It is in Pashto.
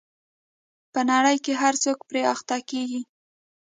په نړۍ کې هر څوک پرې اخته کېږي.